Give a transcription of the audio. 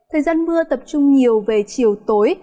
thời gian mưa tập trung nhiều về chiều tối